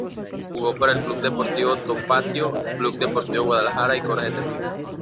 Jugó para el Club Deportivo Tapatío, Club Deportivo Guadalajara y Coras de Tepic.